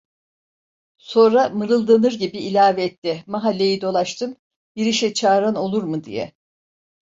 Sonra mırıldanır gibi ilave etti: "Mahalleyi dolaştım. Bir işe çağıran olur mu diye!"